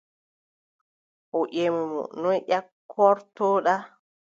O ƴemi mo: noy ƴakkortoɗa ?